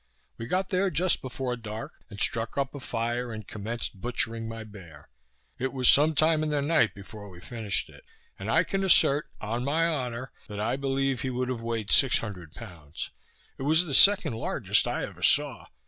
We got there just before dark, and struck up a fire, and commenced butchering my bear. It was some time in the night before we finished it; and I can assert, on my honour, that I believe he would have weighed six hundred pounds. It was the second largest I ever saw.